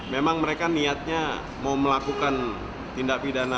memang mereka niatnya mau melakukan tindak pidana